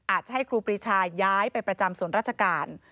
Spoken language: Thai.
อาจจะให้ครูปรีชาย้ายไปประจำส่วนราชการ